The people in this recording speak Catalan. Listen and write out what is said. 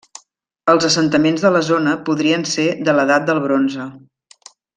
Els assentaments de la zona podrien ser de l'edat del bronze.